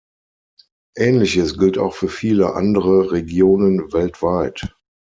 Ähnliches gilt auch für viele andere Regionen weltweit.